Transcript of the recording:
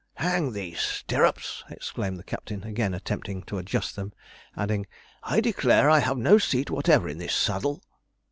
'Hang these stirrups!' exclaimed the captain, again attempting to adjust them; adding, 'I declare I have no seat whatever in this saddle.'